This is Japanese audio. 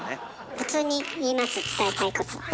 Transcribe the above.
普通に言います伝えたいことは。